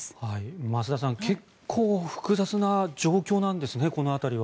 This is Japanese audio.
増田さん結構複雑な状況なんですねこの辺りは。